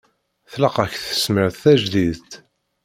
Tlaq-ak tesmert tajdidt.